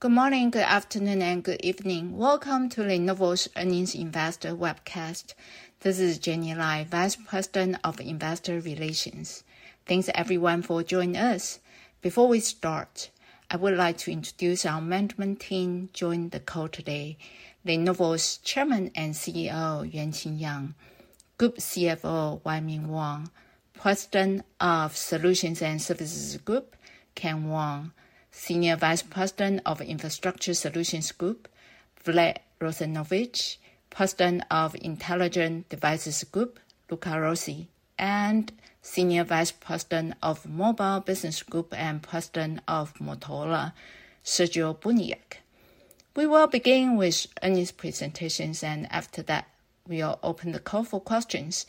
Good morning, good afternoon, and good evening. Welcome to Lenovo's Earnings Investor Webcast. This is Jenny Lai, Vice President of Investor Relations. Thanks, everyone, for joining us. Before we start, I would like to introduce our management team joined the call today: Lenovo's Chairman and CEO, Yuanqing Yang, Group CFO, Wai Ming Wong, President of Solutions and Services Group, Ken Wong, Senior Vice President of Infrastructure Solutions Group, Vlad Rozanovich, President of Intelligent Devices Group, Luca Rossi, and Senior Vice President of Mobile Business Group and President of Motorola, Sergio Buniac. We will begin with earnings presentations, and after that, we will open the call for questions.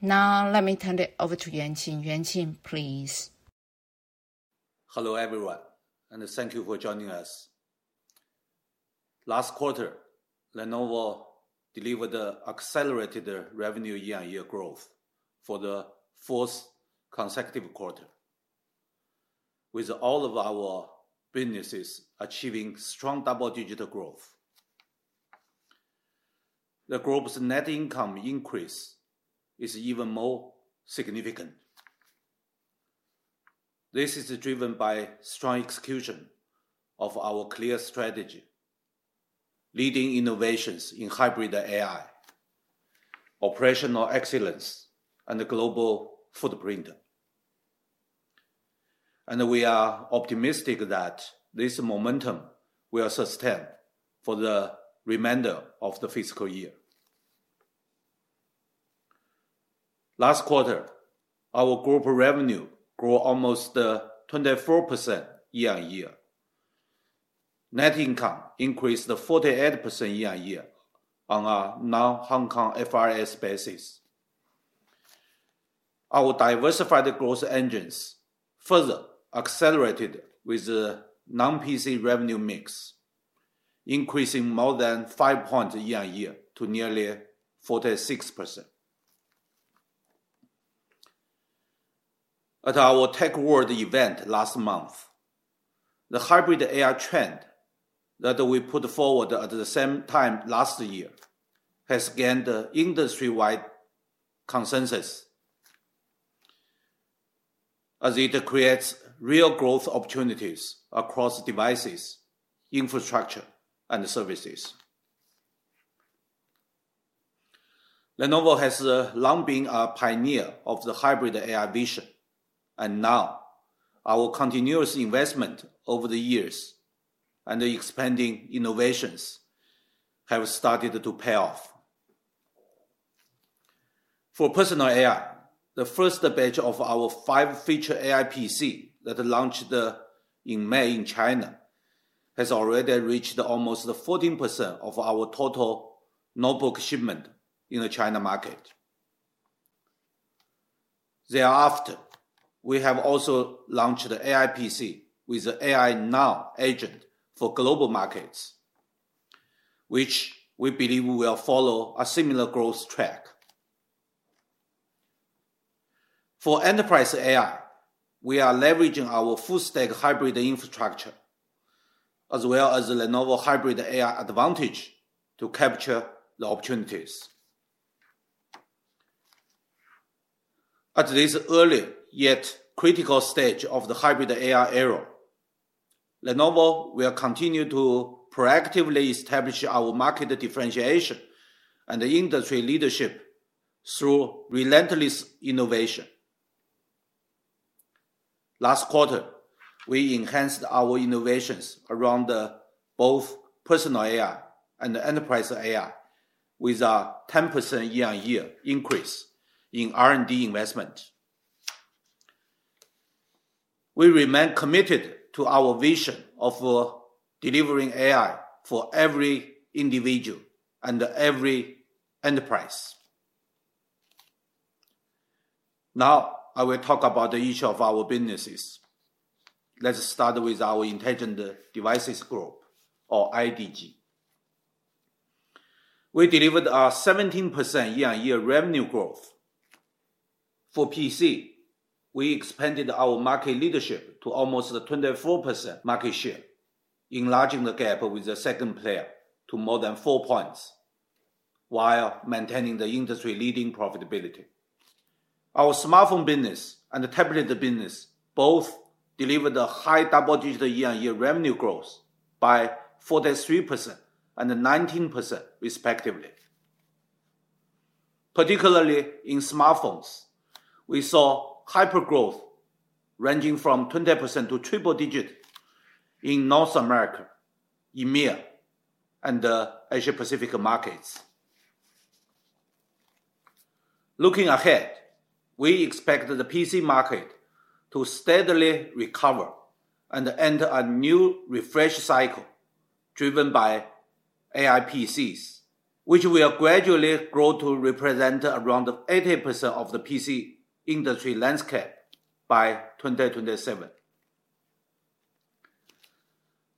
Now, let me turn it over to Yuanqing. Yuanqing, please. Hello, everyone, and thank you for joining us. Last quarter, Lenovo delivered accelerated revenue year-on-year growth for the 4th consecutive quarter, with all of our businesses achieving strong double-digit growth. The group's net income increase is even more significant. This is driven by strong execution of our clear strategy, leading innovations in hybrid AI, operational excellence, and the global footprint, and we are optimistic that this momentum will sustain for the remainder of the fiscal year. Last quarter, our group revenue grew almost 24% year-on-year. Net income increased 48% year-on-year on a non-HKFRS basis. Our diversified growth engines further accelerated with the non-PC revenue mix, increasing more than 5 points year-on-year to nearly 46%. At our Tech World event last month, the hybrid AI trend that we put forward at the same time last year has gained industry-wide consensus, as it creates real growth opportunities across devices, infrastructure, and services. Lenovo has long been a pioneer of the hybrid AI vision, and now our continuous investment over the years and the expanding innovations have started to pay off. For personal AI, the first batch of our five-feature AI PC that launched in May in China has already reached almost 14% of our total notebook shipment in the China market. Thereafter, we have also launched the AI PC with the AI Now agent for global markets, which we believe will follow a similar growth track. For enterprise AI, we are leveraging our full-stack hybrid infrastructure, as well as Lenovo's hybrid AI advantage, to capture the opportunities. At this early yet critical stage of the hybrid AI era, Lenovo will continue to proactively establish our market differentiation and industry leadership through relentless innovation. Last quarter, we enhanced our innovations around both personal AI and enterprise AI with a 10% year-on-year increase in R&D investment. We remain committed to our vision of delivering AI for every individual and every enterprise. Now, I will talk about each of our businesses. Let's start with our Intelligent Devices Group, or IDG. We delivered a 17% year-on-year revenue growth. For PC, we expanded our market leadership to almost 24% market share, enlarging the gap with the second player to more than 4 points, while maintaining the industry-leading profitability. Our smartphone business and tablet business both delivered a high double-digit year-on-year revenue growth by 43% and 19%, respectively. Particularly in smartphones, we saw hypergrowth ranging from 20% to triple-digit in North America, EMEA, and the Asia-Pacific markets. Looking ahead, we expect the PC market to steadily recover and enter a new refresh cycle driven by AI PCs, which will gradually grow to represent around 80% of the PC industry landscape by 2027.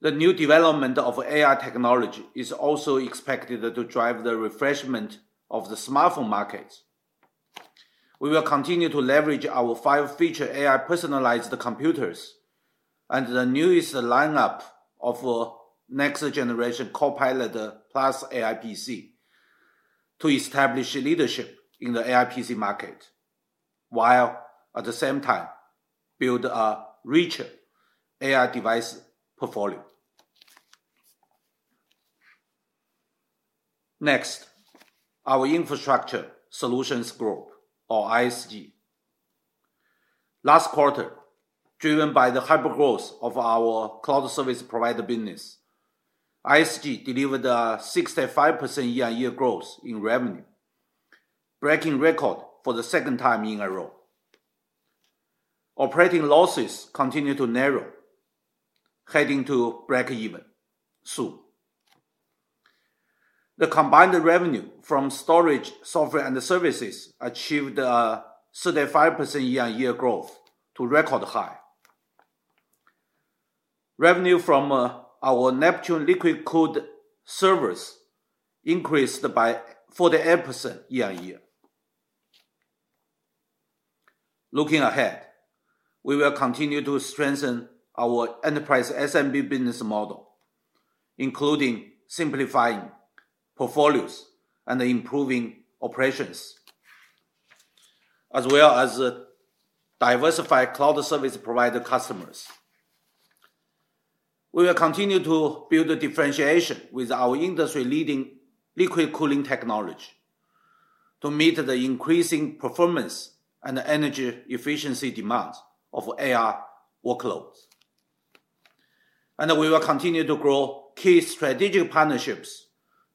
The new development of AI technology is also expected to drive the refreshment of the smartphone market. We will continue to leverage our 5-feature AI personalized computers and the newest lineup of next-generation Copilot+ PC to establish leadership in the AI PC market, while at the same time building a richer AI device portfolio. Next, our Infrastructure Solutions Group, or ISG. Last quarter, driven by the hypergrowth of our cloud service provider business, ISG delivered a 65% year-on-year growth in revenue, breaking record for the second time in a row. Operating losses continue to narrow, heading to break-even soon. The combined revenue from storage, software, and services achieved a 35% year-on-year growth to record high. Revenue from our Neptune liquid-cooled servers increased by 48% year-on-year. Looking ahead, we will continue to strengthen our enterprise SMB business model, including simplifying portfolios and improving operations, as well as diversifying cloud service provider customers. We will continue to build differentiation with our industry-leading liquid cooling technology to meet the increasing performance and energy efficiency demands of AI workloads, and we will continue to grow key strategic partnerships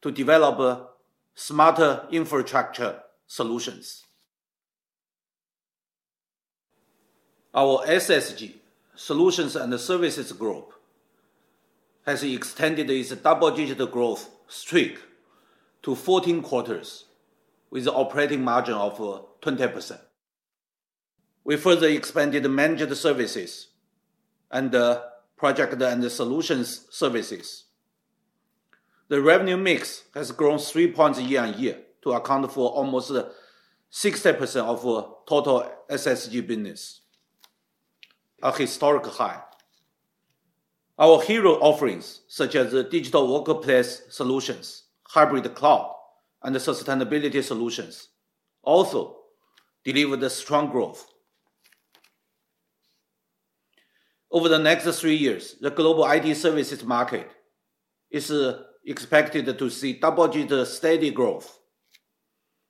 to develop smarter infrastructure solutions. Our SSG Solutions and Services Group has extended its double-digit growth streak to 14 quarters, with an operating margin of 20%. We further expanded managed services and project and solutions services. The revenue mix has grown 3 points year-on-year to account for almost 60% of total SSG business, a historic high. Our hero offerings, such as Digital Workplace Solutions, hybrid cloud, and sustainability solutions, also delivered strong growth. Over the next three years, the global IT services market is expected to see double-digit steady growth,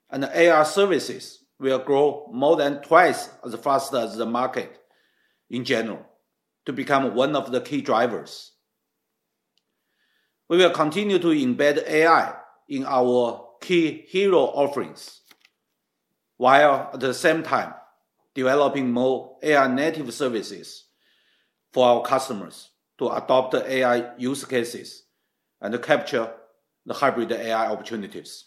and AI services will grow more than twice as fast as the market in general to become one of the key drivers. We will continue to embed AI in our key hero offerings, while at the same time developing more AI-native services for our customers to adopt AI use cases and capture the hybrid AI opportunities.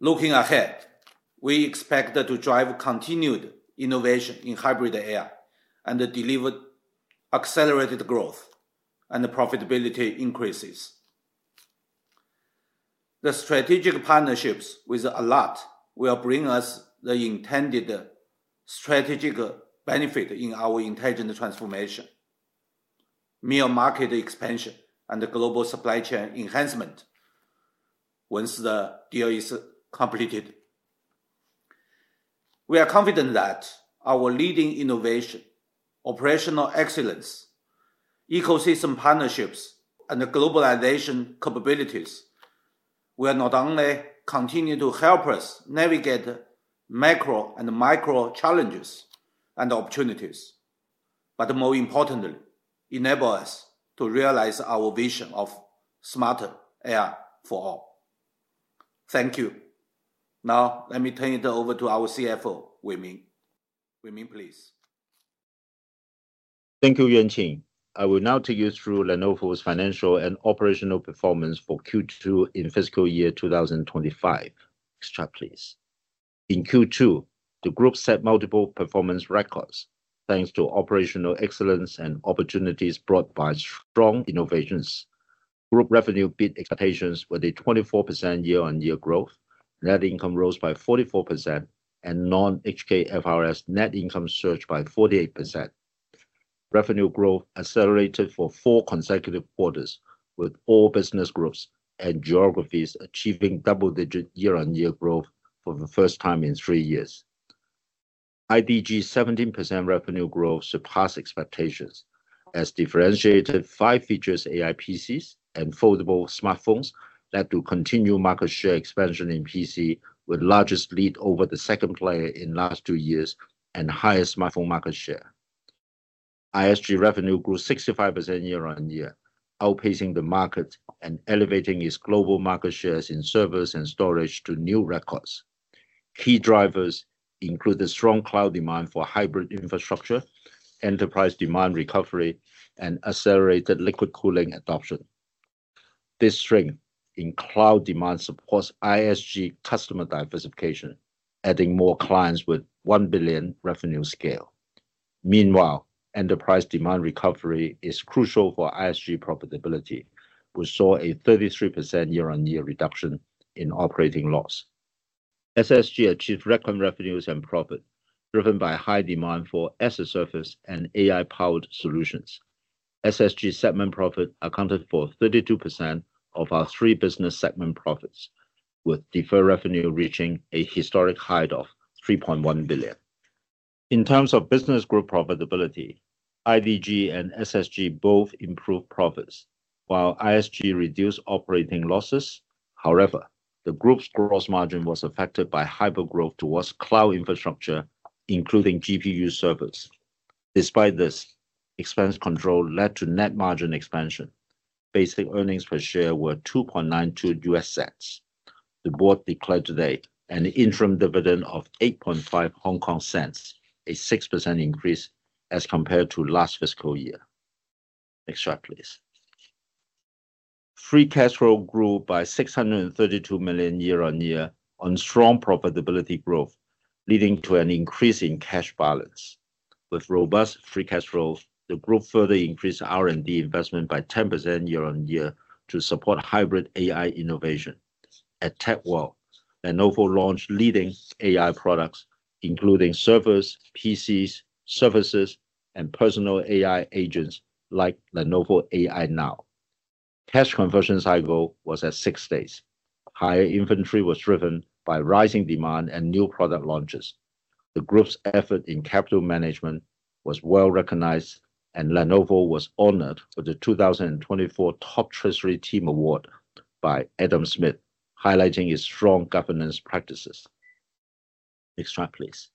Looking ahead, we expect to drive continued innovation in hybrid AI and deliver accelerated growth and profitability increases. The strategic partnerships with Alat will bring us the intended strategic benefit in our intelligent transformation, MEA market expansion, and global supply chain enhancement once the deal is completed. We are confident that our leading innovation, operational excellence, ecosystem partnerships, and globalization capabilities will not only continue to help us navigate macro and micro challenges and opportunities, but more importantly, enable us to realize our vision of smarter AI for all. Thank you. Now, let me turn it over to our CFO, Wai Ming Wong. Wai Ming Wong, please. Thank you, Yuanqing. I will now take you through Lenovo's financial and operational performance for Q2 in fiscal year 2025. Next chart, please. In Q2, the group set multiple performance records thanks to operational excellence and opportunities brought by strong innovations. Group revenue beat expectations with a 24% year-on-year growth, net income rose by 44%, and non-HKFRS net income surged by 48%. Revenue growth accelerated for four consecutive quarters, with all business groups and geographies achieving double-digit year-on-year growth for the first time in three years. IDG's 17% revenue growth surpassed expectations as differentiated five-feature AI PCs and foldable smartphones led to continued market share expansion in PC, with the largest lead over the second player in the last two years and highest smartphone market share. ISG revenue grew 65% year-on-year, outpacing the market and elevating its global market shares in servers and storage to new records. Key drivers included strong cloud demand for hybrid infrastructure, enterprise demand recovery, and accelerated liquid cooling adoption. This strength in cloud demand supports ISG customer diversification, adding more clients with a $1 billion revenue scale. Meanwhile, enterprise demand recovery is crucial for ISG profitability, which saw a 33% year-on-year reduction in operating loss. SSG achieved recurring revenues and profit driven by high demand for SSG servers and AI-powered solutions. SSG segment profit accounted for 32% of our three business segment profits, with deferred revenue reaching a historic high of $3.1 billion. In terms of business group profitability, IDG and SSG both improved profits, while ISG reduced operating losses. However, the group's gross margin was affected by hypergrowth towards cloud infrastructure, including GPU servers. Despite this, expense control led to net margin expansion. Basic earnings per share were $0.0292, the board declared today, and an interim dividend of 0.085, a 6% increase as compared to last fiscal year. Next chart, please. Free cash flow grew by $632 million year-on-year on strong profitability growth, leading to an increase in cash balance. With robust free cash flow, the group further increased R&D investment by 10% year-on-year to support hybrid AI innovation. At Tech World, Lenovo launched leading AI products, including servers, PCs, services, and personal AI agents like Lenovo AI Now. Cash conversion cycle was at six days. Higher inventory was driven by rising demand and new product launches. The group's effort in capital management was well recognized, and Lenovo was honored with the 2024 Top Treasury Team Award by the Adam Smith Awards, highlighting its strong governance practices. Next chart, please.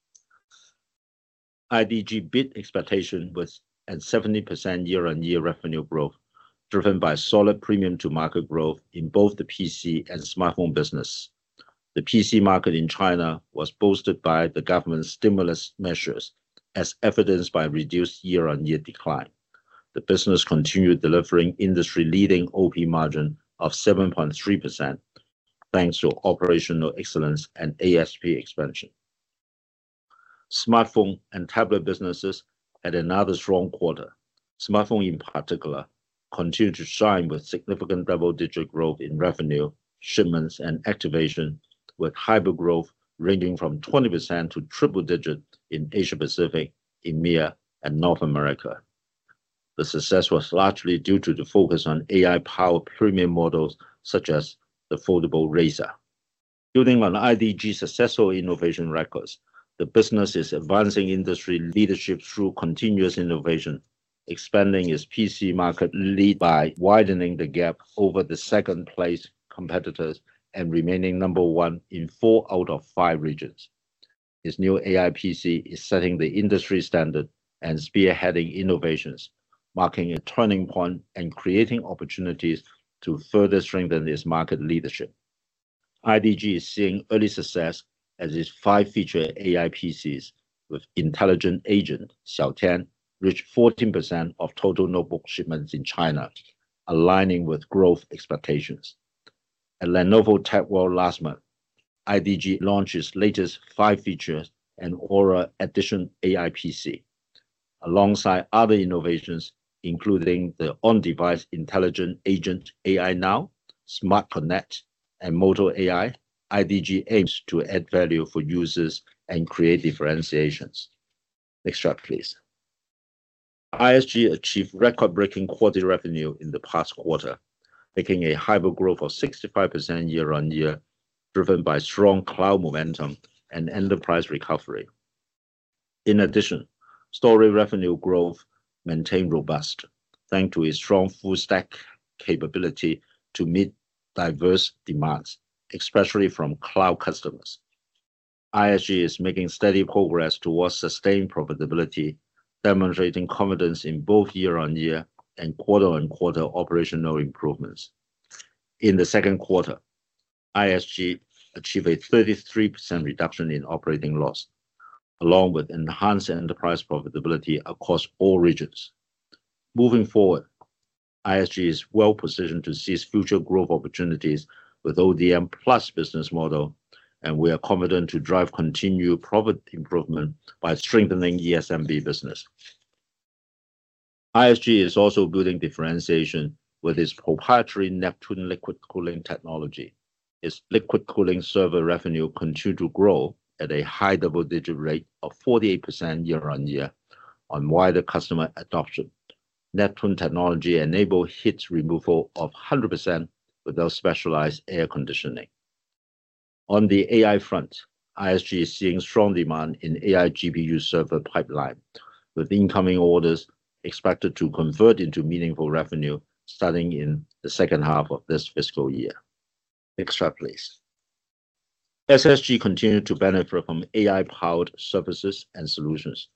IDG beat expectations with a 70% year-on-year revenue growth driven by solid premium-to-market growth in both the PC and smartphone business. The PC market in China was boosted by the government's stimulus measures, as evidenced by reduced year-on-year decline. The business continued delivering industry-leading OP margin of 7.3%, thanks to operational excellence and ASP expansion. Smartphone and tablet businesses had another strong quarter. Smartphone, in particular, continued to shine with significant double-digit growth in revenue, shipments, and activation, with hypergrowth ranging from 20% to triple-digit in Asia-Pacific, EMEA, and North America. The success was largely due to the focus on AI-powered premium models such as the foldable Razr. Building on IDG's successful innovation records, the business is advancing industry leadership through continuous innovation, expanding its PC market lead by widening the gap over the second-place competitors and remaining number one in four out of five regions. Its new AI PC is setting the industry standard and spearheading innovations, marking a turning point and creating opportunities to further strengthen its market leadership. IDG is seeing early success as its five-feature AI PCs with intelligent agent Xiaotian reach 14% of total notebook shipments in China, aligning with growth expectations. At Lenovo Tech World last month, IDG launched its latest five-feature and Aura Edition AI PC. Alongside other innovations, including the on-device intelligent agent AI Now, Smart Connect, and Moto AI, IDG aims to add value for users and create differentiations. Next chart, please. ISG achieved record-breaking quarterly revenue in the past quarter, making a hypergrowth of 65% year-on-year, driven by strong cloud momentum and enterprise recovery. In addition, storage revenue growth maintained robust, thanks to its strong full-stack capability to meet diverse demands, especially from cloud customers. ISG is making steady progress towards sustained profitability, demonstrating confidence in both year-on-year and quarter-on-quarter operational improvements. In the Q2, ISG achieved a 33% reduction in operating loss, along with enhanced enterprise profitability across all regions. Moving forward, ISG is well positioned to seize future growth opportunities with ODM+ business model, and we are confident to drive continued profit improvement by strengthening ESMB business. ISG is also building differentiation with its proprietary Neptune liquid cooling technology. Its liquid cooling server revenue continued to grow at a high double-digit rate of 48% year-on-year on wider customer adoption. Neptune technology enabled heat removal of 100% without specialized air conditioning. On the AI front, ISG is seeing strong demand in AI GPU server pipeline, with incoming orders expected to convert into meaningful revenue starting in the second half of this fiscal year. Next chart, please. SSG continued to benefit from AI-powered services and solutions,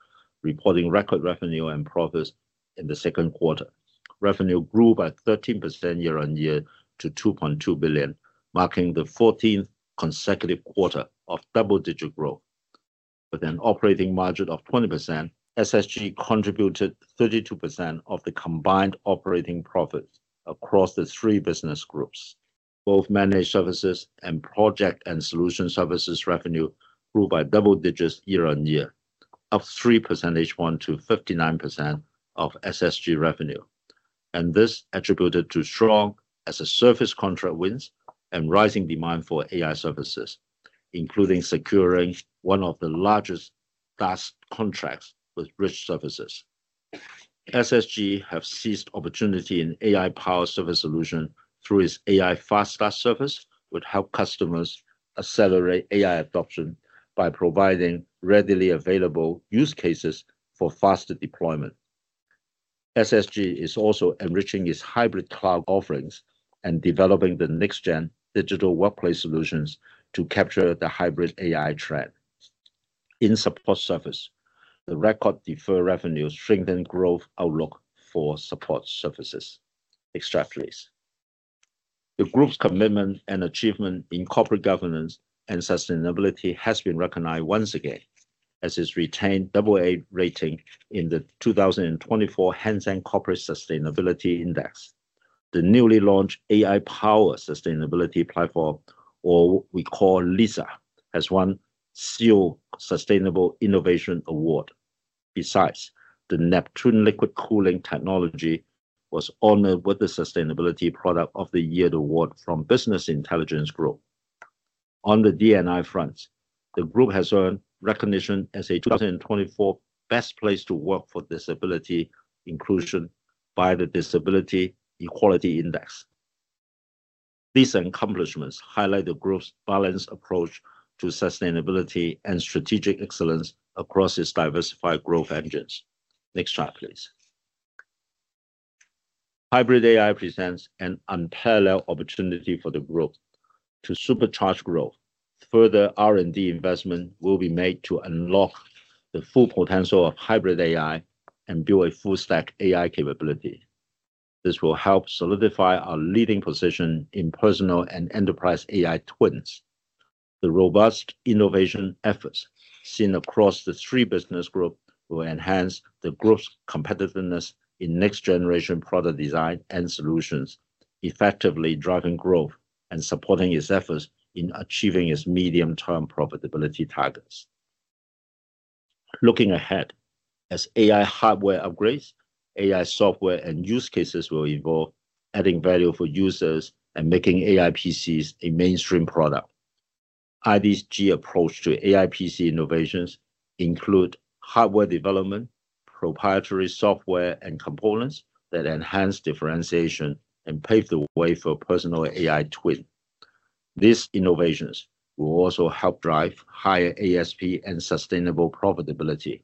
reporting record revenue and profits in the Q2. Revenue grew by 13% year-on-year to $2.2 billion, marking the 14th consecutive quarter of double-digit growth. With an operating margin of 20%, SSG contributed 32% of the combined operating profits across the three business groups. Both managed services and project and solution services revenue grew by double digits year-on-year, up 3% each month to 59% of SSG revenue. This is attributed to strong As-a-Service contract wins and rising demand for AI services, including securing one of the largest SaaS contracts with rich services. SSG has seized the opportunity in AI-powered service solutions through its AI Fast Start service, which helps customers accelerate AI adoption by providing readily available use cases for faster deployment. SSG is also enriching its hybrid cloud offerings and developing the next-gen Digital Workplace Solutions to capture the hybrid AI trend. In support service, the record deferred revenue strengthened growth outlook for support services. Next chart, please. The group's commitment and achievement in corporate governance and sustainability has been recognized once again as it retained AA rating in the 2024 Hang Seng Corporate Sustainability Index. The newly launched AI-powered sustainability platform, or what we call LISSA, has won SEAL Sustainable Innovation Award. Besides, the Neptune liquid cooling technology was honored with the Sustainability Product of the Year award from Business Intelligence Group. On the D&I front, the group has earned recognition as a 2024 Best Place to Work for Disability Inclusion by the Disability Equality Index. These accomplishments highlight the group's balanced approach to sustainability and strategic excellence across its diversified growth engines. Next chart, please. Hybrid AI presents an unparalleled opportunity for the group to supercharge growth. Further R&D investment will be made to unlock the full potential of hybrid AI and build a full-stack AI capability. This will help solidify our leading position in personal and enterprise AI twins. The robust innovation efforts seen across the three business groups will enhance the group's competitiveness in next-generation product design and solutions, effectively driving growth and supporting its efforts in achieving its medium-term profitability targets. Looking ahead, as AI hardware upgrades, AI software and use cases will evolve, adding value for users and making AI PCs a mainstream product. IDG's approach to AI PC innovations includes hardware development, proprietary software, and components that enhance differentiation and pave the way for personal AI twins. These innovations will also help drive higher ASP and sustainable profitability.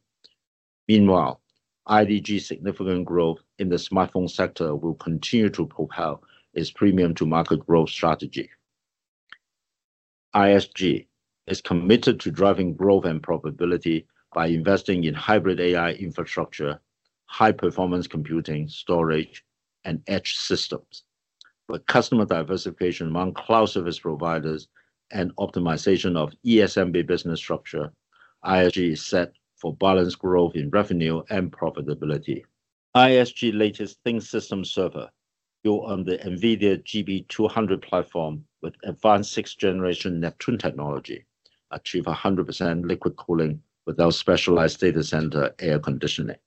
Meanwhile, IDG's significant growth in the smartphone sector will continue to propel its premium-to-market growth strategy. ISG is committed to driving growth and profitability by investing in hybrid AI infrastructure, high-performance computing, storage, and edge systems. With customer diversification among cloud service providers and optimization of ESMB business structure, ISG is set for balanced growth in revenue and profitability. ISG's latest ThinkSystem server built on the NVIDIA GB200 platform with advanced sixth-generation Neptune technology achieves 100% liquid cooling without specialized data center air conditioning.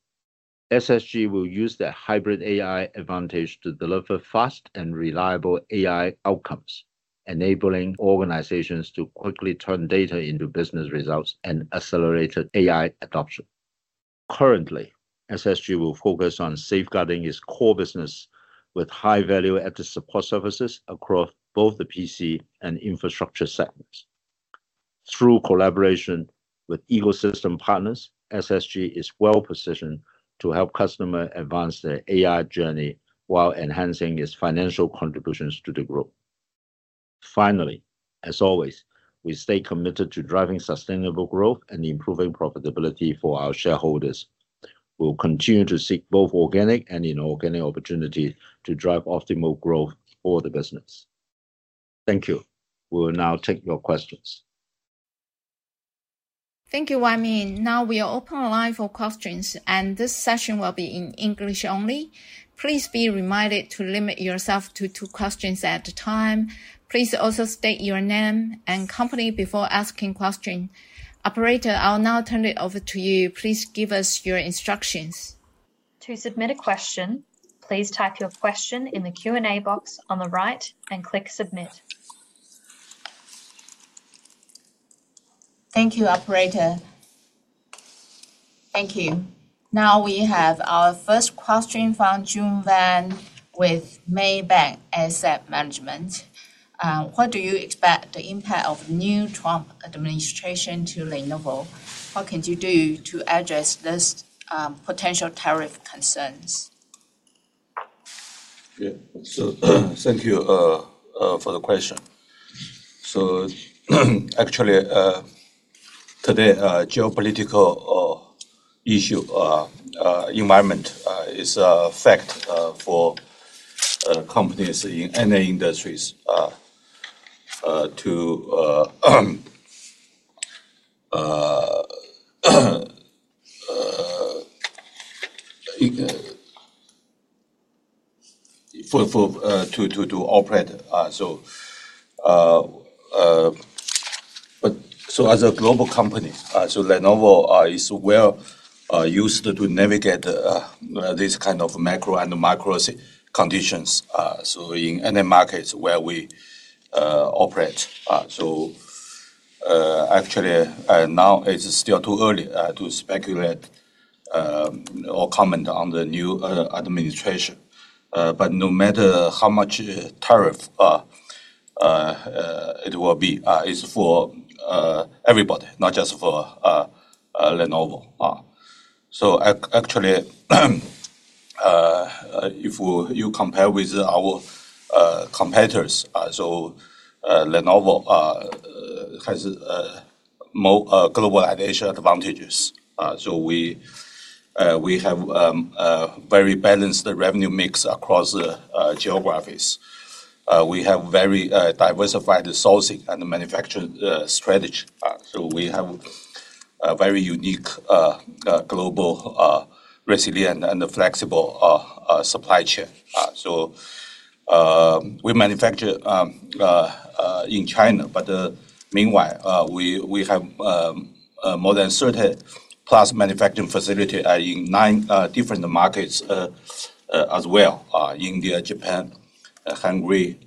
SSG will use their hybrid AI advantage to deliver fast and reliable AI outcomes, enabling organizations to quickly turn data into business results and accelerate AI adoption. Currently, SSG will focus on safeguarding its core business with high-value asset support services across both the PC and infrastructure segments. Through collaboration with ecosystem partners, SSG is well positioned to help customers advance their AI journey while enhancing its financial contributions to the group. Finally, as always, we stay committed to driving sustainable growth and improving profitability for our shareholders. We will continue to seek both organic and inorganic opportunities to drive optimal growth for the business. Thank you. We will now take your questions. Thank you, Wai Ming. Now we are open live for questions, and this session will be in English only. Please be reminded to limit yourself to two questions at a time. Please also state your name and company before asking questions. Operator, I'll now turn it over to you. Please give us your instructions. To submit a question, please type your question in the Q&A box on the right and click Submit. Thank you, Operator. Thank you. Now we have our first question from Jun Wang with Maybank Asset Management. What do you expect the impact of the new Trump administration to Lenovo? What can you do to address these potential tariff concerns? Yeah, so thank you for the question. So actually, today, geopolitical issue environment is a fact for companies in any industries to operate. So as a global company, Lenovo is well used to navigate these kinds of macro and micro conditions in any markets where we operate. So actually, now it's still too early to speculate or comment on the new administration. But no matter how much tariff it will be, it's for everybody, not just for Lenovo. So actually, if you compare with our competitors, Lenovo has globalization advantages. So we have a very balanced revenue mix across geographies. We have very diversified sourcing and manufacturing strategy. So we have a very unique global resilient and flexible supply chain. So we manufacture in China, but meanwhile, we have more than 30-plus manufacturing facilities in nine different markets as well: India, Japan, Hungary,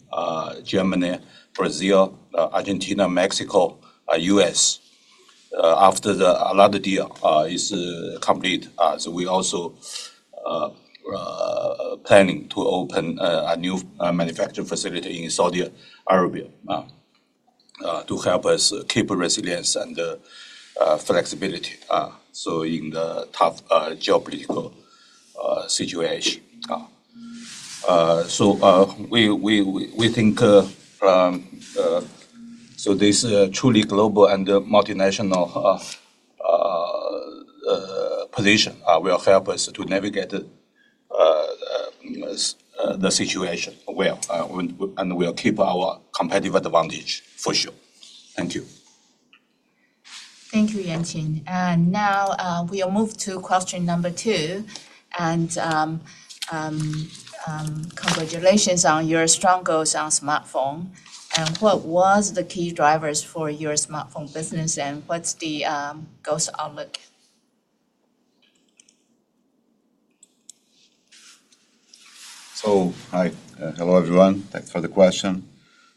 Germany, Brazil, Argentina, Mexico, US. After the Alat deal is complete, we are also planning to open a new manufacturing facility in Saudi Arabia to help us keep resilience and flexibility in the tough geopolitical situation. So we think this truly global and multinational position will help us to navigate the situation well, and we'll keep our competitive advantage for sure. Thank you. Thank you, Yuanqing. And now we'll move to question number two. And congratulations on your strong growth in smartphones. And what were the key drivers for your smartphone business, and what's the growth outlook? So hi, hello everyone. Thanks for the question.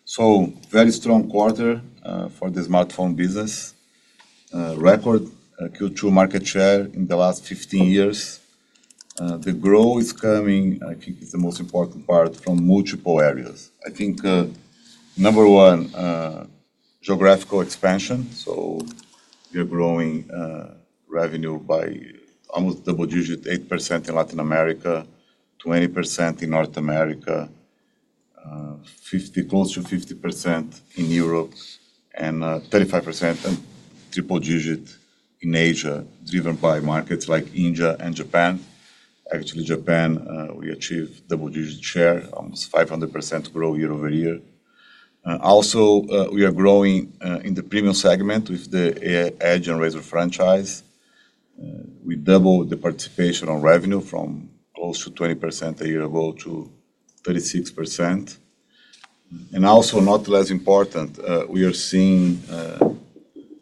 So very strong quarter for the smartphone business, record Q2 market share in the last 15 years. The growth is coming, I think it's the most important part, from multiple areas. I think number one, geographical expansion. So we are growing revenue by almost double digits, 8% in Latin America, 20% in North America, close to 50% in Europe, and 35% and triple digit in Asia, driven by markets like India and Japan. Actually, Japan, we achieved double digit share, almost 500% growth year over year. Also, we are growing in the premium segment with the Edge and Razr franchise. We doubled the participation on revenue from close to 20% a year ago to 36%. And also, not less important, we are seeing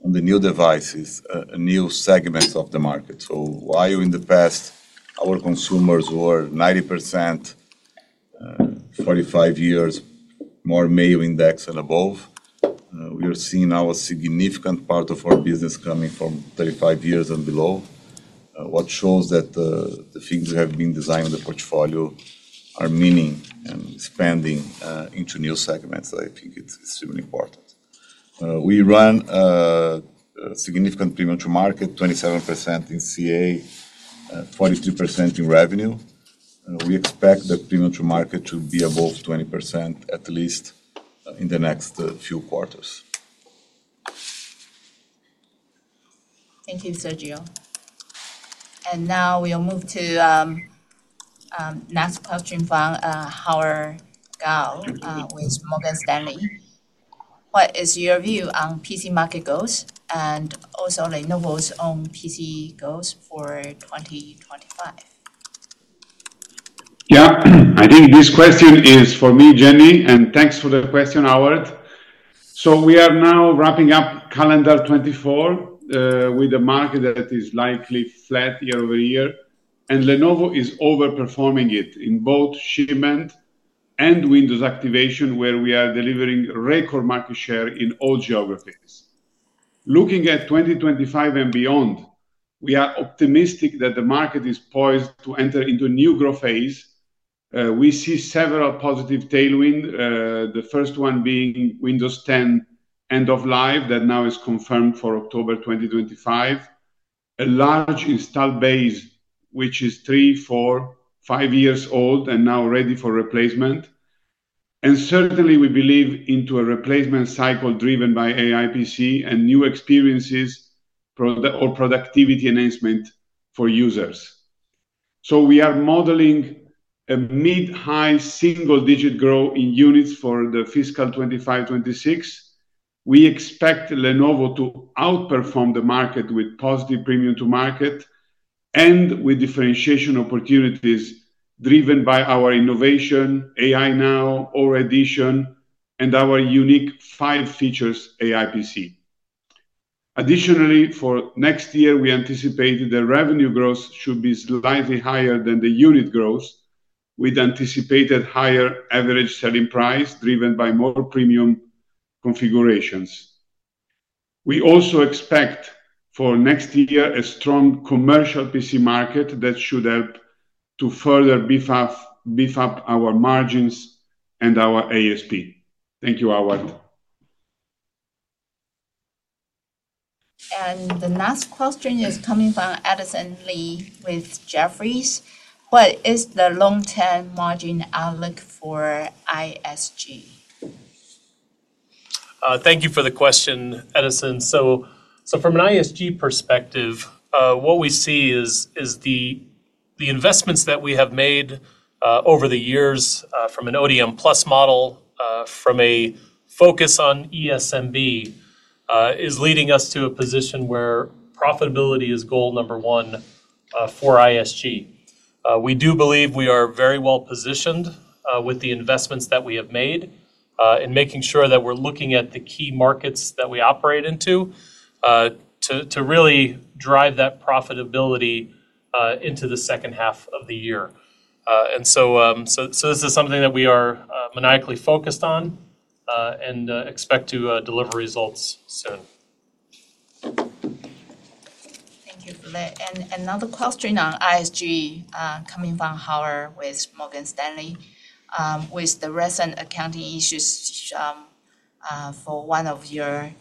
on the new devices a new segment of the market. So while in the past, our consumers were 90%, 45 years or more, middle income and above, we are seeing now a significant part of our business coming from 35 years and below, which shows that the things that have been designed in the portfolio are meaningful and expanding into new segments. I think it's extremely important. We run a significant premium-to-market, 27% in CA, 43% in revenue. We expect the premium-to-market to be above 20% at least in the next few quarters. Thank you, Sergio. And now we'll move to next question from Howard Kao with Morgan Stanley. What is your view on PC market goals and also Lenovo's own PC goals for 2025? Yeah, I think this question is for me, Jenny, and thanks for the question, Howard. We are now wrapping up calendar 2024 with a market that is likely flat year over year, and Lenovo is overperforming it in both shipment and Windows activation, where we are delivering record market share in all geographies. Looking at 2025 and beyond, we are optimistic that the market is poised to enter into a new growth phase. We see several positive tailwinds, the first one being Windows 10 end-of-life that now is confirmed for October 2025, a large install base which is three, four, five years old and now ready for replacement. And certainly, we believe in a replacement cycle driven by AI PC and new experiences or productivity enhancement for users. So we are modeling a mid-high single-digit growth in units for the fiscal 2025-2026. We expect Lenovo to outperform the market with positive premium-to-market and with differentiation opportunities driven by our innovation, AI Now, Aura Edition, and our unique 5-feature AI PC. Additionally, for next year, we anticipate the revenue growth should be slightly higher than the unit growth with anticipated higher average selling price driven by more premium configurations. We also expect for next year a strong commercial PC market that should help to further beef up our margins and our ASP. Thank you, Howard. And the next question is coming from Edison Lee with Jefferies. What is the long-term margin outlook for ISG? Thank you for the question, Edison. So from an ISG perspective, what we see is the investments that we have made over the years from an ODM+ model, from a focus on ESMB, is leading us to a position where profitability is goal number one for ISG. We do believe we are very well positioned with the investments that we have made in making sure that we're looking at the key markets that we operate into to really drive that profitability into the second half of the year. And so this is something that we are maniacally focused on and expect to deliver results soon. Thank you. And another question on ISG coming from Howard with Morgan Stanley. With the recent accounting issues for one of your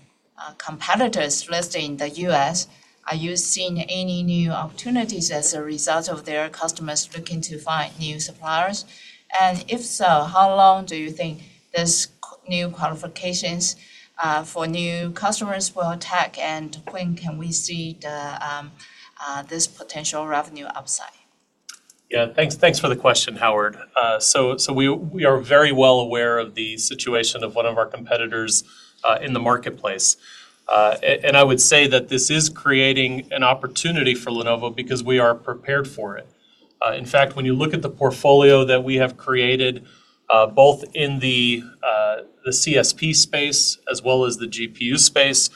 competitors listed in the U.S., are you seeing any new opportunities as a result of their customers looking to find new suppliers? And if so, how long do you think these new qualifications for new customers will take, and when can we see this potential revenue upside? Yeah, thanks for the question, Howard. So we are very well aware of the situation of one of our competitors in the marketplace. I would say that this is creating an opportunity for Lenovo because we are prepared for it. In fact, when you look at the portfolio that we have created, both in the CSP space as well as the GPU space,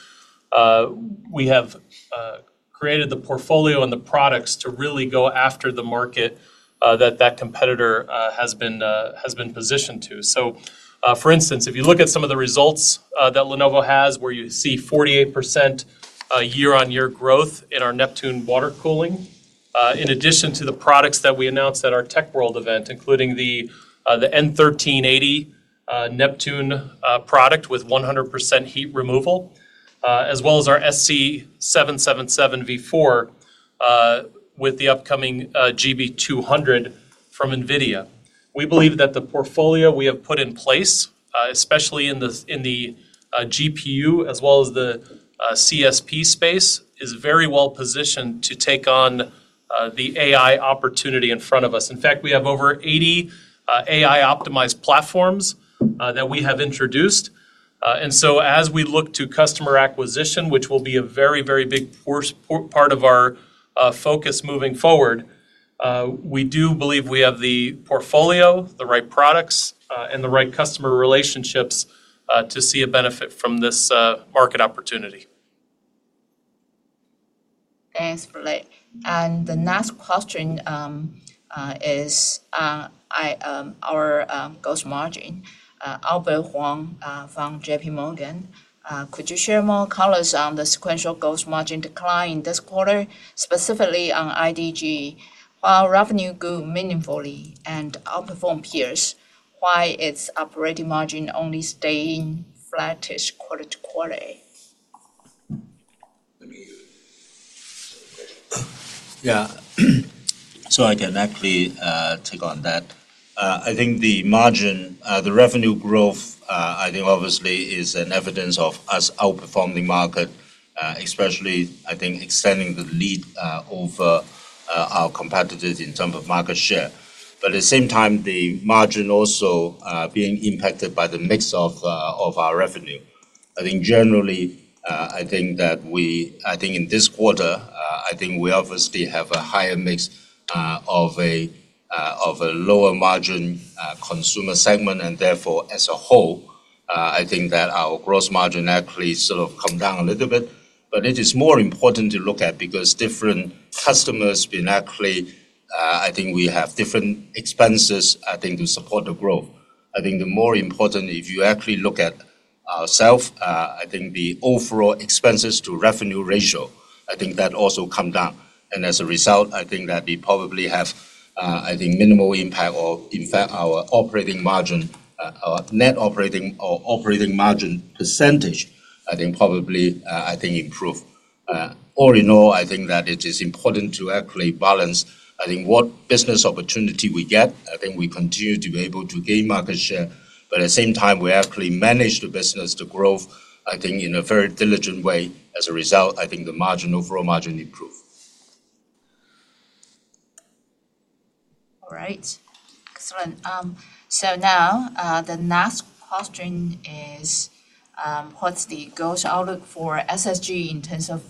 we have created the portfolio and the products to really go after the market that that competitor has been positioned to. For instance, if you look at some of the results that Lenovo has, where you see 48% year-on-year growth in our Neptune water cooling, in addition to the products that we announced at our Tech World event, including the N1380 Neptune product with 100% heat removal, as well as our SC777 V4 with the upcoming GB200 from NVIDIA. We believe that the portfolio we have put in place, especially in the GPU as well as the CSP space, is very well positioned to take on the AI opportunity in front of us. In fact, we have over 80 AI-optimized platforms that we have introduced. And so as we look to customer acquisition, which will be a very, very big part of our focus moving forward, we do believe we have the portfolio, the right products, and the right customer relationships to see a benefit from this market opportunity. Thanks, Vlad. And the next question is our gross margin. Albert Hung from JPMorgan, could you share more colors on the sequential gross margin decline in this quarter, specifically on IDG? While revenue grew meaningfully and outperformed peers, why is operating margin only staying flat-ish quarter to quarter? Yeah, so I can actually take on that. I think the margin, the revenue growth, I think obviously is an evidence of us outperforming the market, especially I think extending the lead over our competitors in terms of market share. But at the same time, the margin also being impacted by the mix of our revenue. I think generally, I think that we in this quarter obviously have a higher mix of a lower margin consumer segment, and therefore as a whole, I think that our gross margin actually sort of comes down a little bit. But it is more important to look at because different customers have been actually I think we have different expenses, I think, to support the growth. I think the more important, if you actually look at ourselves, I think the overall expenses to revenue ratio, I think that also comes down. As a result, I think that we probably have, I think, minimal impact or in fact, our operating margin, our net operating or operating margin percentage, I think probably I think improved. All in all, I think that it is important to actually balance, I think, what business opportunity we get. I think we continue to be able to gain market share, but at the same time, we actually manage the business, the growth, I think, in a very diligent way. As a result, I think the margin, overall margin improved. All right. Excellent. So now the next question is, what's the goals outlook for SSG in terms of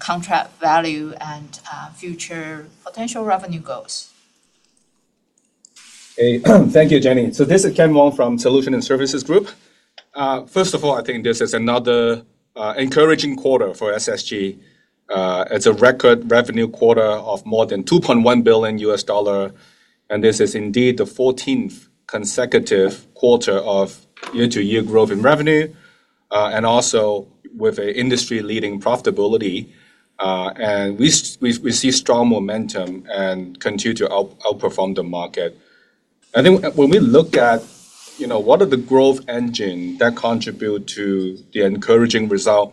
contract value and future potential revenue goals? Okay. Thank you, Jenny. So this is Ken Wong from Solutions and Services Group. First of all, I think this is another encouraging quarter for SSG. It's a record revenue quarter of more than $2.1 billion. And this is indeed the 14th consecutive quarter of year-to-year growth in revenue, and also with an industry-leading profitability. And we see strong momentum and continue to outperform the market. I think when we look at what are the growth engines that contribute to the encouraging result,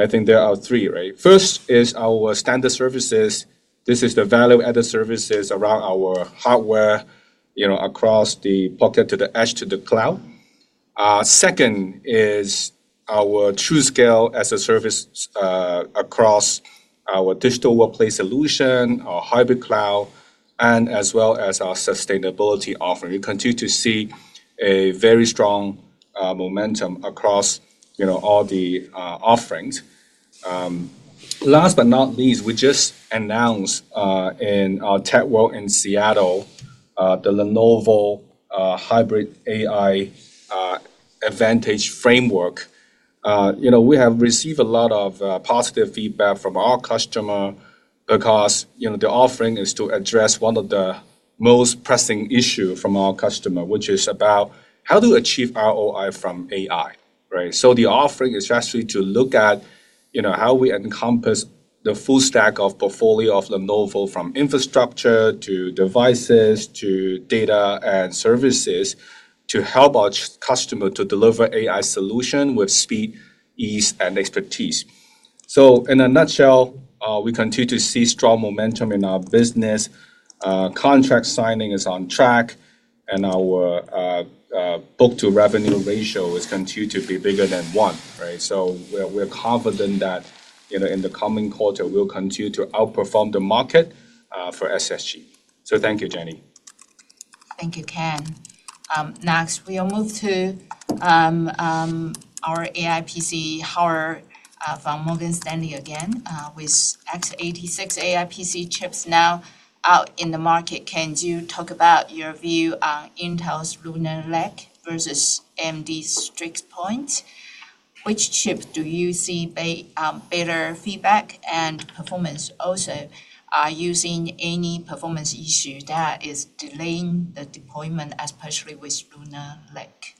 I think there are three, right? First is our standard services. This is the value-added services around our hardware across the pocket to the edge to the cloud. Second is our TruScale as a service across our digital workplace solution, our hybrid cloud, and as well as our sustainability offering. We continue to see a very strong momentum across all the offerings. Last but not least, we just announced in our Tech World in Seattle the Lenovo Hybrid AI Advantage Framework. We have received a lot of positive feedback from our customer because the offering is to address one of the most pressing issues from our customer, which is about how to achieve ROI from AI, right? So the offering is actually to look at how we encompass the full stack of portfolio of Lenovo from infrastructure to devices to data and services to help our customer to deliver AI solution with speed, ease, and expertise. So in a nutshell, we continue to see strong momentum in our business. Contract signing is on track, and our book-to-revenue ratio has continued to be bigger than one, right? So we're confident that in the coming quarter, we'll continue to outperform the market for SSG. So thank you, Jenny. Thank you, Ken. Next, we'll move to our AI PC, Howard from Morgan Stanley again with x86 AI PC chips now out in the market. Can you talk about your view on Intel's Lunar Lake versus AMD's Strix Point? Which chip do you see better feedback and performance? Also, are you seeing any performance issues that are delaying the deployment, especially with Lunar Lake?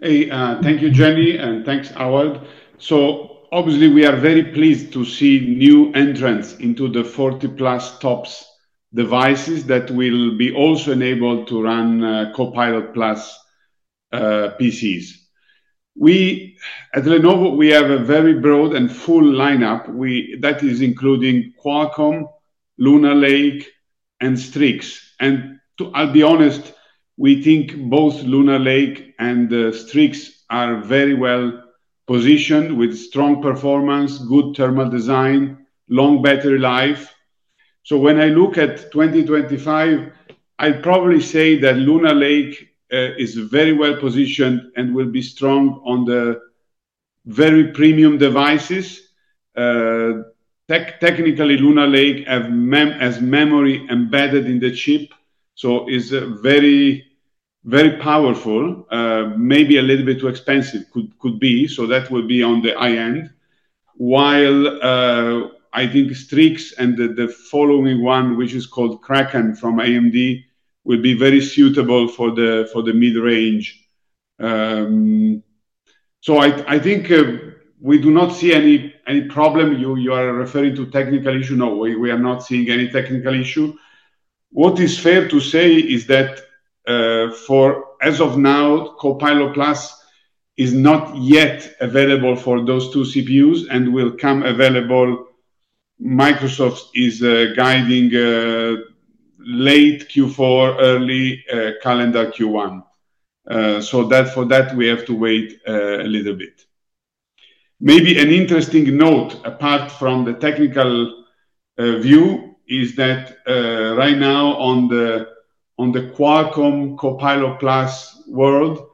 Hey, thank you, Jenny, and thanks, Howard. So obviously, we are very pleased to see new entrants into the 40-plus TOPS devices that will be also enabled to run Copilot+ PCs. At Lenovo, we have a very broad and full lineup that is including Qualcomm, Lunar Lake, and Strix. And I'll be honest, we think both Lunar Lake and Strix are very well positioned with strong performance, good thermal design, and long battery life. So when I look at 2025, I'd probably say that Lunar Lake is very well positioned and will be strong on the very premium devices. Technically, Lunar Lake has memory embedded in the chip, so it's very powerful. Maybe a little bit too expensive could be, so that would be on the high end. While I think Strix and the following one, which is called Kraken from AMD, would be very suitable for the mid-range. So I think we do not see any problem. You are referring to technical issue. No, we are not seeing any technical issue. What is fair to say is that as of now, Copilot+ is not yet available for those two CPUs and will come available. Microsoft is guiding late Q4, early calendar Q1. So for that, we have to wait a little bit. Maybe an interesting note apart from the technical view is that right now on the Qualcomm Copilot+ world,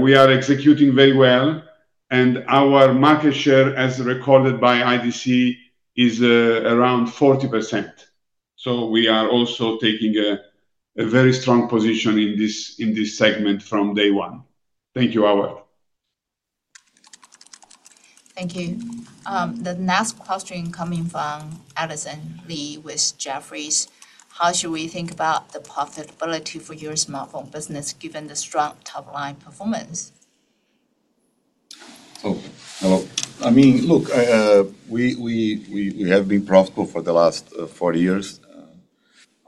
we are executing very well, and our market share, as recorded by IDC, is around 40%. So we are also taking a very strong position in this segment from day one. Thank you, Howard. Thank you. The next question coming from Edison Lee with Jefferies. How should we think about the profitability for your smartphone business given the strong top-line performance? So I mean, look, we have been profitable for the last four years.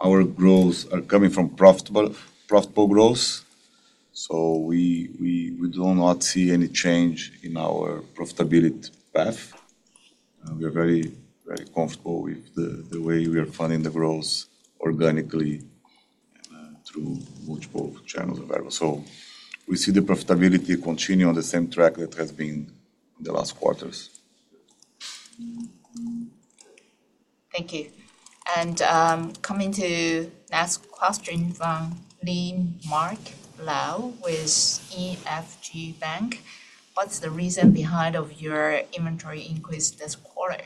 Our growth is coming from profitable growth. So we do not see any change in our profitability path. We are very comfortable with the way we are funding the growth organically through multiple channels available. So we see the profitability continue on the same track that has been in the last quarters. Thank you. And coming to the next question from Linen Lau with EFG Bank. What's the reason behind your inventory increase this quarter?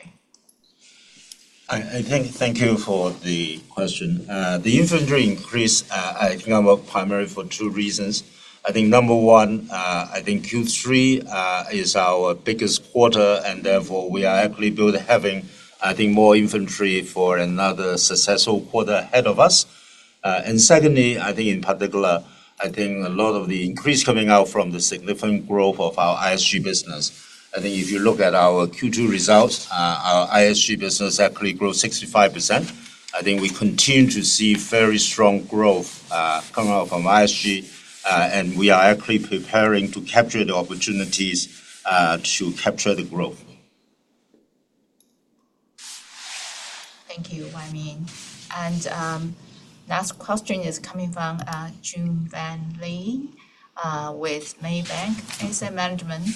Thank you for the question. The inventory increase, I think it works primarily for two reasons. I think number one, I think Q3 is our biggest quarter, and therefore we are actually having, I think, more inventory for another successful quarter ahead of us. And secondly, I think in particular, I think a lot of the increase coming out from the significant growth of our ISG business. I think if you look at our Q2 results, our ISG business actually grew 65%. I think we continue to see very strong growth coming out from ISG, and we are actually preparing to capture the opportunities to capture the growth. Thank you, Wai Ming. And the next question is coming from Jun Wang with Maybank Asset Management.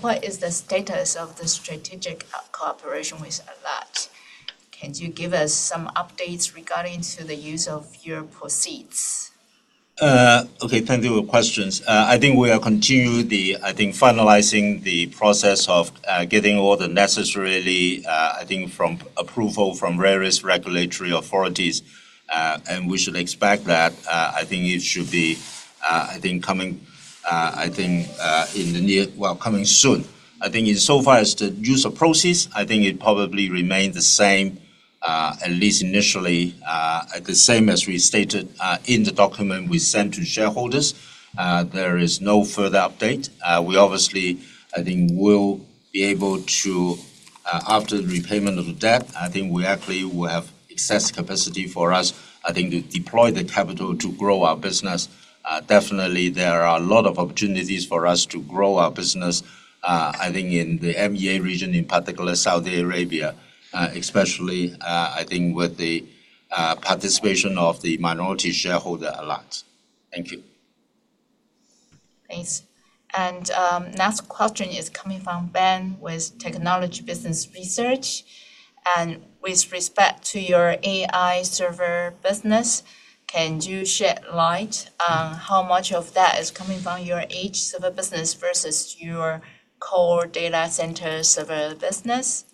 What is the status of the strategic cooperation with Alat? Can you give us some updates regarding the use of your proceeds? Okay. Thank you for the questions. I think we are continuing the, I think, finalizing the process of getting all the necessary, I think, approval from various regulatory authorities, and we should expect that, I think it should be, I think, coming, I think, in the near, well, coming soon. I think in so far as the use of proceeds, I think it probably remains the same, at least initially, the same as we stated in the document we sent to shareholders. There is no further update. We obviously, I think, will be able to, after the repayment of the debt, I think we actually will have excess capacity for us, I think, to deploy the capital to grow our business. Definitely, there are a lot of opportunities for us to grow our business, I think, in the MEA region, in particular Saudi Arabia, especially, I think, with the participation of the minority shareholder Alat. Thank you. Thanks. And the next question is coming from Ben with Technology Business Research. And with respect to your AI server business, can you shed light on how much of that is coming from your edge server business versus your core data center server business?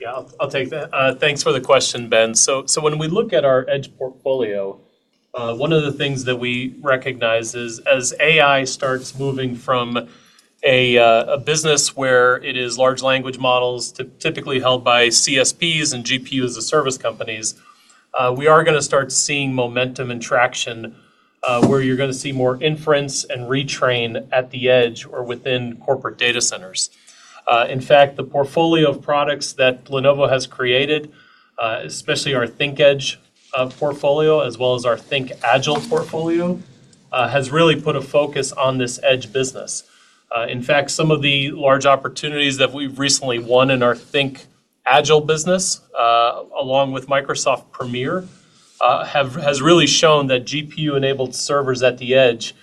Yeah, I'll take that. Thanks for the question, Ben. So when we look at our edge portfolio, one of the things that we recognize is as AI starts moving from a business where it is large language models typically held by CSPs and GPU as a service companies, we are going to start seeing momentum and traction where you're going to see more inference and retrain at the edge or within corporate data centers. In fact, the portfolio of products that Lenovo has created, especially our ThinkEdge portfolio, as well as our ThinkAgile portfolio, has really put a focus on this edge business. In fact, some of the large opportunities that we've recently won in our ThinkAgile business, along with Microsoft Premier, has really shown that GPU-enabled servers at the edge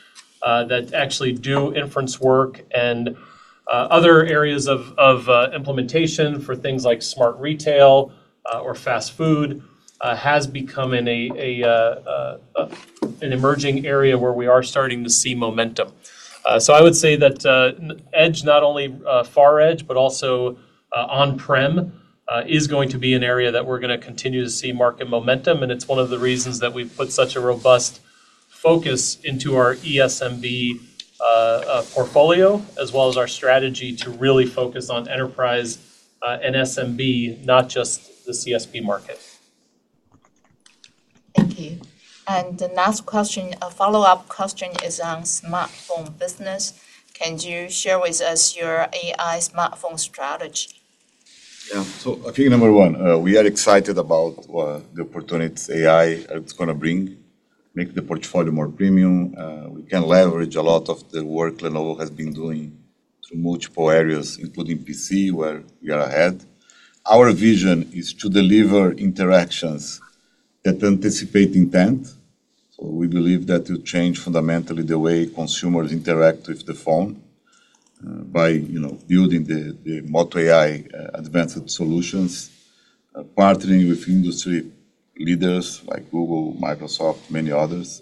that actually do inference work and other areas of implementation for things like smart retail or fast food has become an emerging area where we are starting to see momentum. So, I would say that edge, not only far edge, but also on-prem, is going to be an area that we're going to continue to see market momentum. And it's one of the reasons that we've put such a robust focus into our ESMB portfolio, as well as our strategy to really focus on enterprise and SMB, not just the CSP market. Thank you. And the next question, a follow-up question, is on smartphone business. Can you share with us your AI smartphone strategy? So I think number one, we are excited about the opportunities AI is going to bring, make the portfolio more premium. We can leverage a lot of the work Lenovo has been doing through multiple areas, including PC, where we are ahead. Our vision is to deliver interactions that anticipate intent. So we believe that it will change fundamentally the way consumers interact with the phone by building the Moto AI advanced solutions, partnering with industry leaders like Google, Microsoft, many others.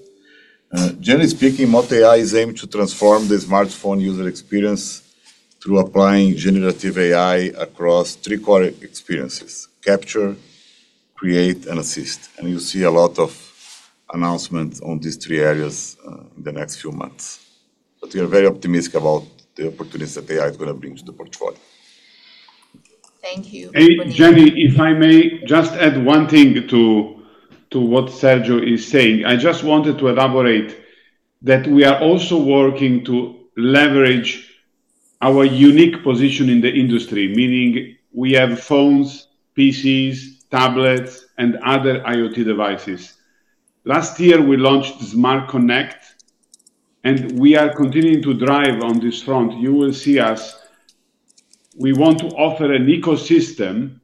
Generally speaking, Moto AI is aimed to transform the smartphone user experience through applying generative AI across three core experiences: capture, create, and assist. And you'll see a lot of announcements on these three areas in the next few months. But we are very optimistic about the opportunities that AI is going to bring to the portfolio. Thank you. And Jenny, if I may just add one thing to what Sergio is saying. I just wanted to elaborate that we are also working to leverage our unique position in the industry, meaning we have phones, PCs, tablets, and other IoT devices. Last year, we launched Smart Connect, and we are continuing to drive on this front. You will see us. We want to offer an ecosystem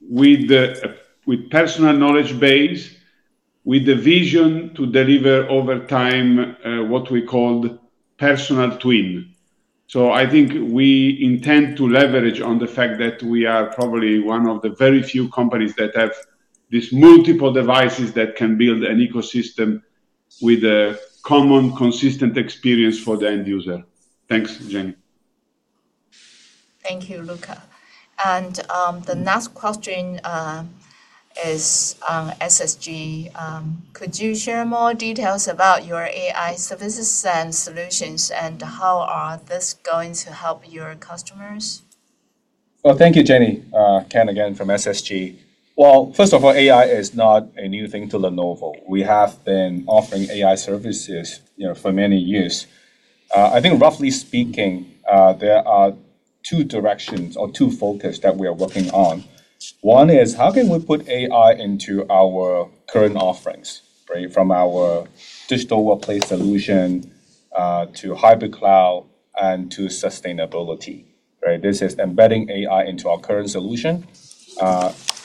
with a personal knowledge base, with the vision to deliver over time what we called Personal Twin. So I think we intend to leverage on the fact that we are probably one of the very few companies that have these multiple devices that can build an ecosystem with a common, consistent experience for the end user. Thanks, Jenny. Thank you, Luca. And the next question is on SSG. Could you share more details about your AI services and solutions, and how are these going to help your customers? Well, thank you, Jenny. Ken again from SSG. Well, first of all, AI is not a new thing to Lenovo. We have been offering AI services for many years. I think roughly speaking, there are two directions or two focuses that we are working on. One is how can we put AI into our current offerings, right, from our digital workplace solution to hybrid cloud and to sustainability, right? This is embedding AI into our current solution.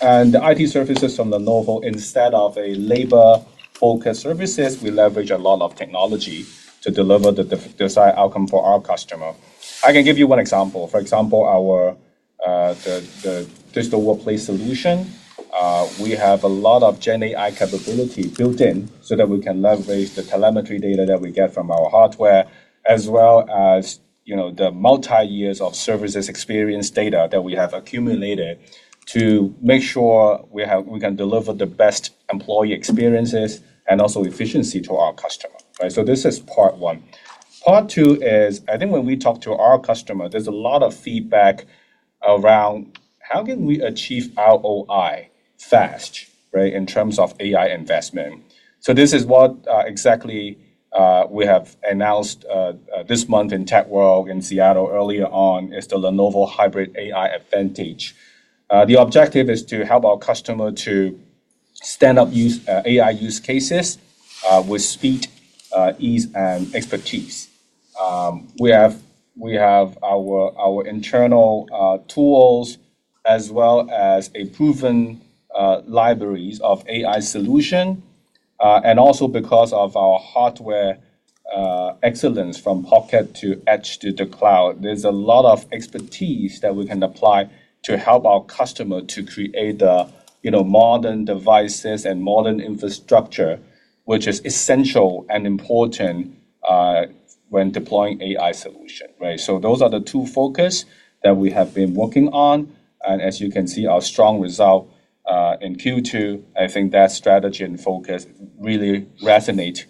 And the IT services from Lenovo, instead of labor-focused services, we leverage a lot of technology to deliver the desired outcome for our customer. I can give you one example. For example, the digital workplace solution, we have a lot of GenAI capability built in so that we can leverage the telemetry data that we get from our hardware, as well as the multi-years of services experience data that we have accumulated to make sure we can deliver the best employee experiences and also efficiency to our customer, right? So this is part one. Part two is, I think when we talk to our customer, there's a lot of feedback around how can we achieve ROI fast, right, in terms of AI investment. So this is what exactly we have announced this month in TechWorld in Seattle earlier on is the Lenovo Hybrid AI Advantage. The objective is to help our customer to stand up AI use cases with speed, ease, and expertise. We have our internal tools as well as proven libraries of AI solutions. And also because of our hardware excellence from pocket to edge to the cloud, there's a lot of expertise that we can apply to help our customer to create the modern devices and modern infrastructure, which is essential and important when deploying AI solutions, right? So those are the two focuses that we have been working on. And as you can see, our strong result in Q2, I think that strategy and focus really resonate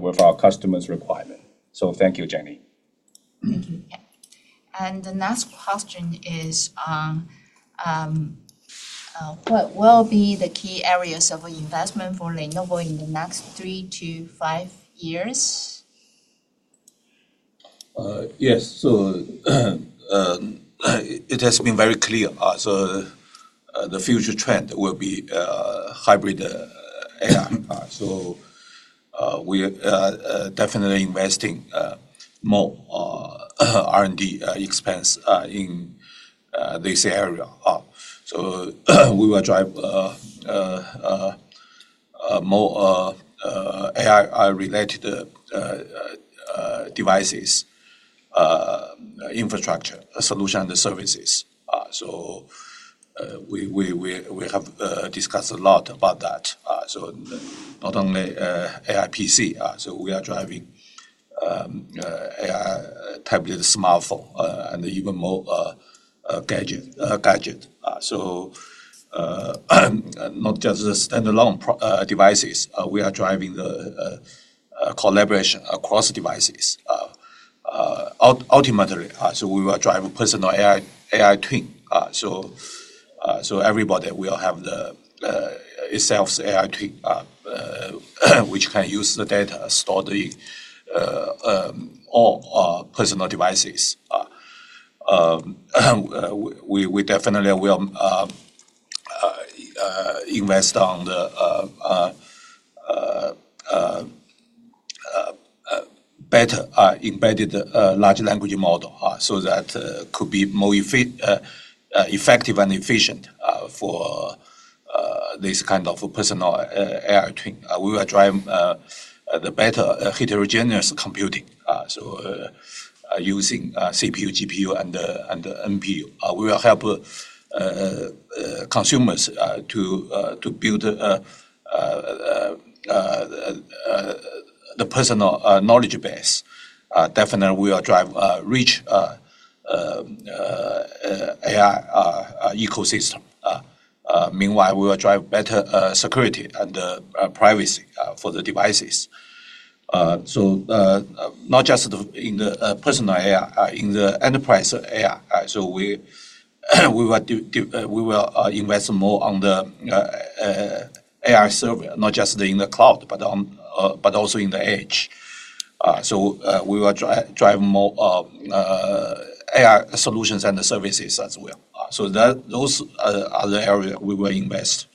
with our customer's requirement. So thank you, Jenny. Thank you. And the next question is, what will be the key areas of investment for Lenovo in the next three to five years? Yes. So it has been very clear. So the future trend will be hybrid AI. So we are definitely investing more R&D expense in this area. So we will drive more AI-related devices, infrastructure, solutions, and services. So we have discussed a lot about that. So not only AI PC, we are driving AI tablet, smartphone, and even more gadget. So not just stand-alone devices, we are driving the collaboration across devices. Ultimately, we will drive a personal AI twin. So everybody will have its AI twin, which can use the data stored on the personal devices. We definitely will invest in the better embedded large language model so that it could be more effective and efficient for this kind of personal AI twin. We will drive the better heterogeneous computing. So using CPU, GPU, and NPU, we will help consumers to build the personal knowledge base. Definitely, we will drive rich AI ecosystem. Meanwhile, we will drive better security and privacy for the devices. So not just in the personal AI, in the enterprise AI. We will invest more on the AI server, not just in the cloud, but also in the edge. We will drive more AI solutions and the services as well. Those are the areas we will invest.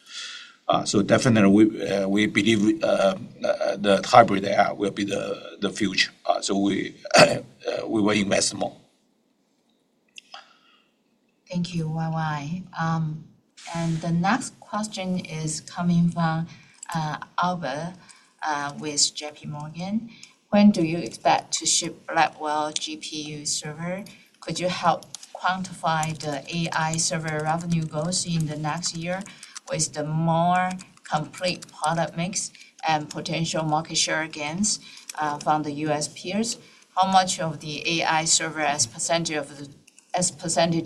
Definitely, we believe the hybrid AI will be the future. We will invest more. Thank you, Wai Ming. The next question is coming from Albert with JPMorgan. When do you expect to ship Blackwell GPU server? Could you help quantify the AI server revenue goals in the next year with the more complete product mix and potential market share gains from the U.S. peers? How much of the AI server as percentage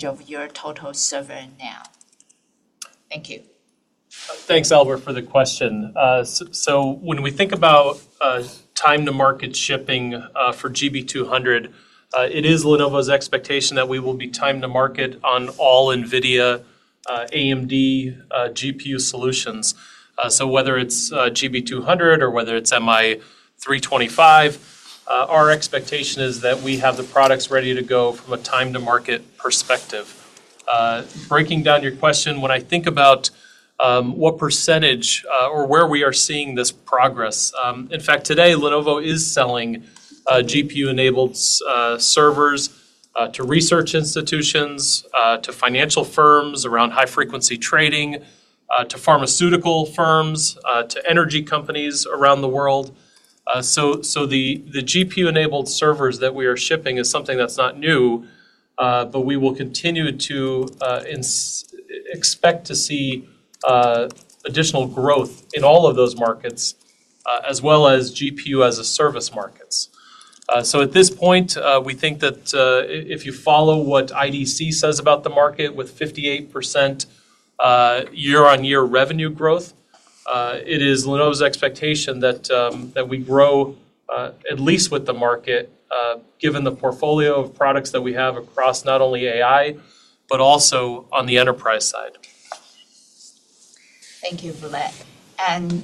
of your total server now? Thank you. Thanks, Albert, for the question. So when we think about time-to-market shipping for GB200, it is Lenovo's expectation that we will be time-to-market on all NVIDIA AMD GPU solutions. So whether it's GB200 or whether it's MI325, our expectation is that we have the products ready to go from a time-to-market perspective. Breaking down your question, when I think about what percentage or where we are seeing this progress, in fact, today, Lenovo is selling GPU-enabled servers to research institutions, to financial firms around high-frequency trading, to pharmaceutical firms, to energy companies around the world. So the GPU-enabled servers that we are shipping is something that's not new, but we will continue to expect to see additional growth in all of those markets, as well as GPU-as-a-service markets. So at this point, we think that if you follow what IDC says about the market with 58% year-on-year revenue growth, it is Lenovo's expectation that we grow at least with the market, given the portfolio of products that we have across not only AI, but also on the enterprise side. Thank you for that. And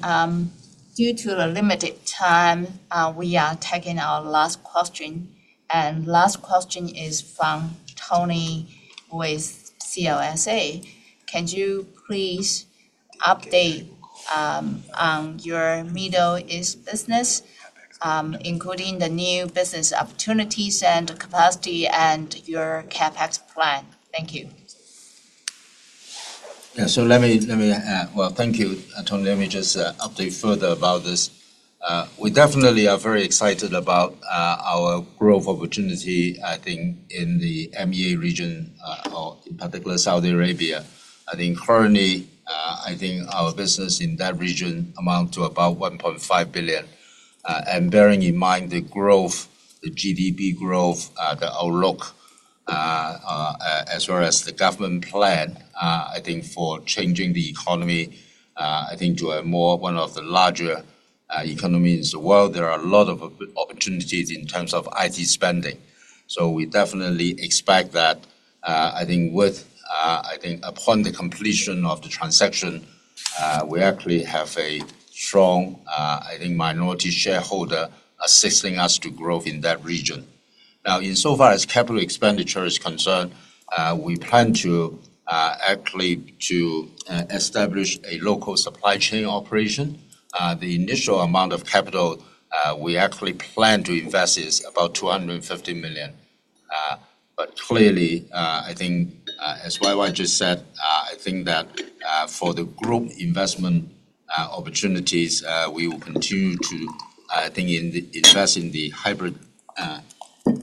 due to the limited time, we are taking our last question. And last question is from Tony with CLSA. Can you please update on your manufacturing business, including the new business opportunities and capacity and your CapEx plan? Thank you. Yeah. So let me add, well, thank you, Tony. Let me just update further about this. We definitely are very excited about our growth opportunity, I think, in the MEA region, or in particular, Saudi Arabia. I think currently, I think our business in that region amounts to about $1.5 billion. Bearing in mind the growth, the GDP growth, the outlook, as well as the government plan, I think, for changing the economy, I think, to a more one of the larger economies in the world, there are a lot of opportunities in terms of IT spending. We definitely expect that, I think, upon the completion of the transaction, we actually have a strong, I think, minority shareholder assisting us to grow in that region. Now, insofar as capital expenditure is concerned, we plan to actually establish a local supply chain operation. The initial amount of capital we actually plan to invest is about $250 million. But clearly, I think, as Wai Ming just said, I think that for the group investment opportunities, we will continue to, I think, invest in the hybrid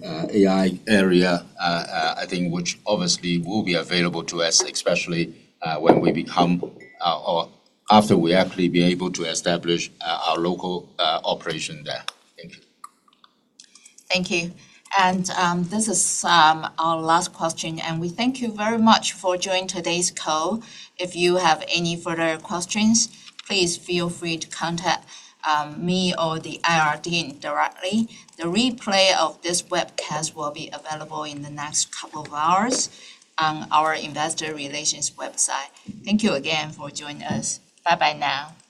AI area, I think, which obviously will be available to us, especially when we become or after we actually be able to establish our local operation there. Thank you. Thank you. And this is our last question. And we thank you very much for joining today's call. If you have any further questions, please feel free to contact me or the IRD directly. The replay of this webcast will be available in the next couple of hours on our investor relations website. Thank you again for joining us. Bye-bye now.